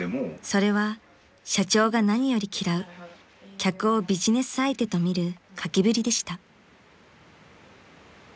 ［それは社長が何より嫌う客をビジネス相手と見る書きぶりでした］